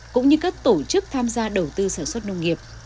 cũng như các tổ chức tham gia đầu tư sản xuất nông nghiệp